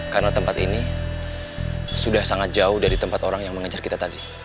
karena tempat ini sudah sangat jauh dari tempat orang yang mengejar kita tadi